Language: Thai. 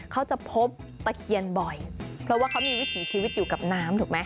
เขาจะพบตะเคียนบ่อยเพราะว่าเขามีวิถีชีวิตอยู่กับน้ำถูกไหม